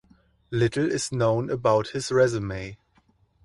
Little is known about his resume.